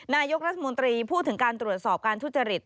นโยงรัฐมวลต้าขี้ผู้ถึงการตรวจสอบการทุจริต